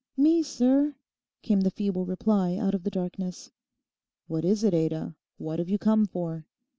'Me, sir,' came the feeble reply out of the darkness. 'What is it, Ada? What have you come for?